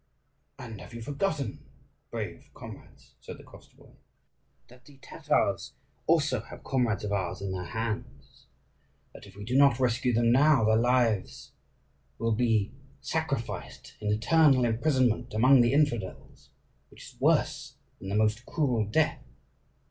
"And have you forgotten, brave comrades," said the Koschevoi, "that the Tatars also have comrades of ours in their hands; that if we do not rescue them now their lives will be sacrificed in eternal imprisonment among the infidels, which is worse than the most cruel death?